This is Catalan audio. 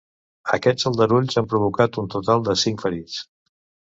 Aquests aldarulls han provocat un total de cinc ferits.